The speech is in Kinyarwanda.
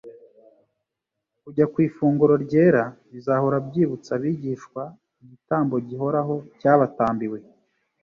Kujya ku ifunguro ryera bizahora byibutsa abigishwa igitambo gihoraho cyabatambiwe,